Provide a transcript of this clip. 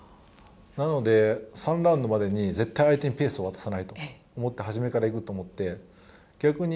なので３ラウンドまでに絶対、相手にペースを渡さないと思って初めから行くと思って。